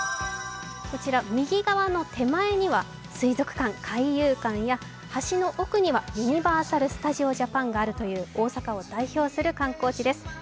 右側の手前には水族館、海遊館や橋の奥にはユニバーサル・スタジオ・ジャパンがあるという大阪を代表する観光地です。